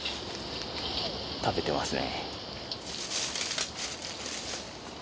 食べてますね。